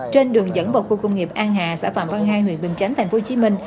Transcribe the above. trên đường dẫn vào khu công nghiệp an hà xã phạm an hai huyện bình chánh tp hcm